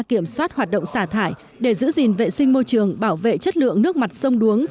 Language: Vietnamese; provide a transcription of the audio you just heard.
kiểm soát hoạt động xả thải để giữ gìn vệ sinh môi trường bảo vệ chất lượng nước mặt sông đuống